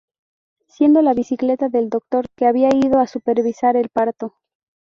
Siendo la bicicleta del doctor que había ido a supervisar el parto.